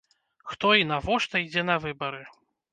Хто і навошта ідзе на выбары?